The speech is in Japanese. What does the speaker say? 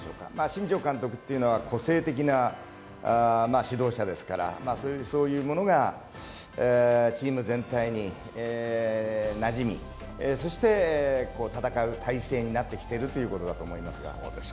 新庄監督というのは個性的な指導者ですから、そういうものがチーム全体になじみ、そして戦う体制になってきているというところだと思います。